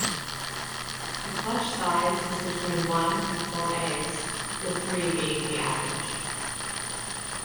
The clutch size is between one and four eggs, with three being the average.